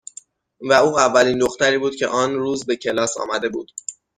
و او اولین دختری بود که آن روز به کلاس آمده بود.